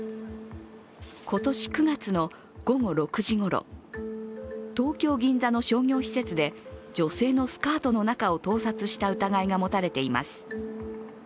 今年９月の午後６時頃東京・銀座の商業施設で女性のスカートの中を盗撮した疑いが持たれています。